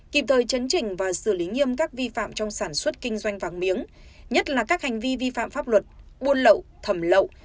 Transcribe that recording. kịp thời chấn trình và xử lý nghiêm các vi phạm trong sản xuất kinh doanh vàng miếng nhất là các hành vi vi phạm pháp luật buôn lậu thầm lậu